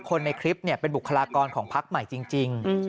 คนในคลิปเป็นบุคลากรของพักใหม่จริง